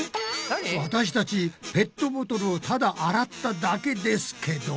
私たちペットボトルをただ洗っただけですけど。